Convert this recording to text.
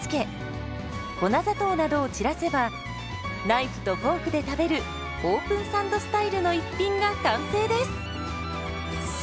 ナイフとフォークで食べるオープンサンドスタイルの一品が完成です。